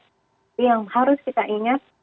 itu yang harus kita ingat